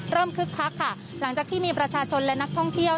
คึกคักค่ะหลังจากที่มีประชาชนและนักท่องเที่ยว